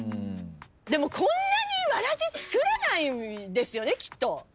でもこんなにわらじ作らないですよねきっと。